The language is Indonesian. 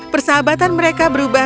persahabatan mereka berubah